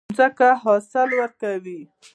ځمکه حاصل ورکوي.